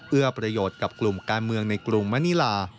เอื้อประโยชน์กับกลุ่มการเมืองในกรุงมะนิลา